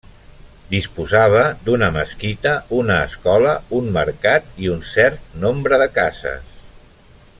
Disposava d'una mesquita, una escola, un mercat i un cert nombre de cases.